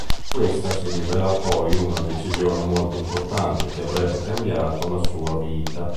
Questa si rivelò poi una decisione molto importante che avrebbe cambiato la sua vita.